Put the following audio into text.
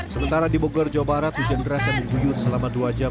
sementara di bogor jawa barat hujan deras yang mengguyur selama dua jam